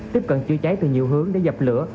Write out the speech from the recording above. tiếp cận chữa cháy từ nhiều hướng để dập lửa